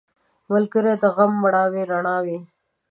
ملګری د غم مړاوې رڼا وي